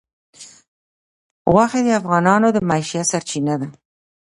غوښې د افغانانو د معیشت سرچینه ده.